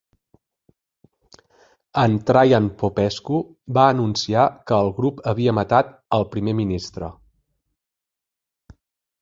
En Traian Popescu va anunciar que el grup havia matat al primer ministre.